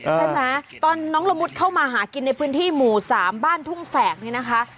ใช่ไหมตอนน้องละมุดเข้ามาหากินในพื้นที่หมู่๓บ้านทุ่งแฝกนี่นะคะ